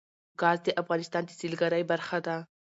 ګاز د افغانستان د سیلګرۍ برخه ده.